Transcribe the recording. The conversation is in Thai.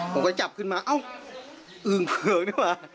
ผมก็จับขึ้นมาอ้าวอึ่งเผือกนี่หรือเปล่า